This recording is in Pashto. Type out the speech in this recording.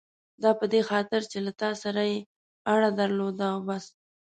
دا په دې خاطر چې له تا سره یې اړه درلوده او بس.